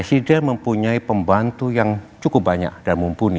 presiden mempunyai pembantu yang cukup banyak dan mumpuni